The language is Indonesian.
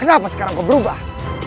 kenapa sekarang kau berubah